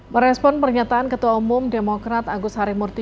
merespon pernyataan ketua umum demokrat agus harimurti